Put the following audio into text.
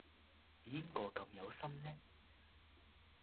邊個咁有心呢？